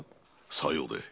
さようで。